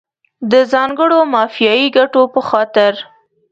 د ځانګړو مافیایي ګټو په خاطر.